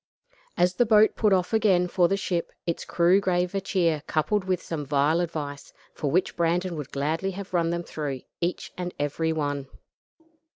As the boat put off again for the ship, its crew gave a cheer coupled with some vile advice, for which Brandon would gladly have run them through, each and every one.